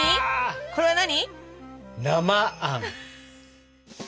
これは何？